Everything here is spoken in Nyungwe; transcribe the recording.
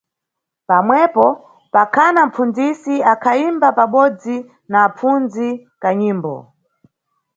Pamwepo pakhana mʼpfundzisi akhayimba pabodzi na apfundzi kanyimbo.